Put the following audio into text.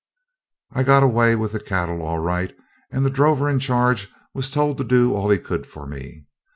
I got away with the cattle all right, and the drover in charge was told to do all he could for me.